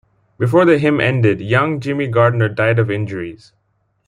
Before the hymn ended, young Jimmy Gardner died of injuries.